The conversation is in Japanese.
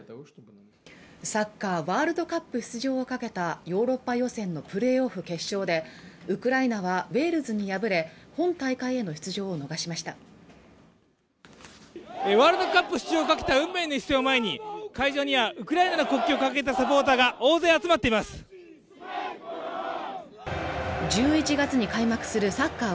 サッカーワールドカップ出場をかけたヨーロッパ予選のプレーオフ決勝でウクライナはウェールズに敗れ本大会への出場を逃しましたワールドカップ出場を懸けた運命の一戦を前に会場にはウクライナの国旗を掲げたサポーターが大勢集まっています１１月に開幕するサッカー